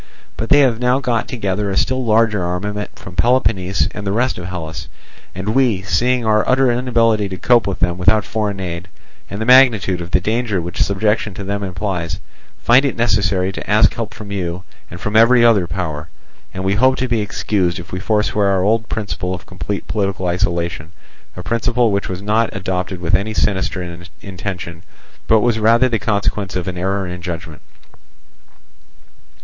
But they have now got together a still larger armament from Peloponnese and the rest of Hellas; and we, seeing our utter inability to cope with them without foreign aid, and the magnitude of the danger which subjection to them implies, find it necessary to ask help from you and from every other power. And we hope to be excused if we forswear our old principle of complete political isolation, a principle which was not adopted with any sinister intention, but was rather the consequence of an error in judgment.